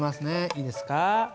いいですか？